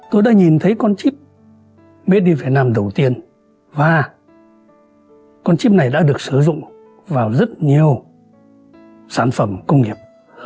tôi đã nhìn thấy con chip made in vietnam đầu tiên và con chip này đã được sử dụng vào rất nhiều sản phẩm công nghiệp